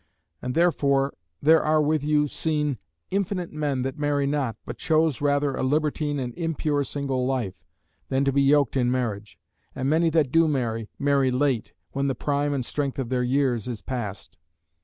And therefore there are with you seen infinite men that marry not, but chose rather a libertine and impure single life, than to be yoked in marriage; and many that do marry, marry late, when the prime and strength of their years is past.